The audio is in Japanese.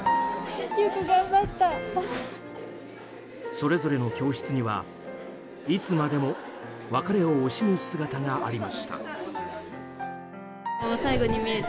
それぞれの教室にはいつまでも別れを惜しむ姿がありました。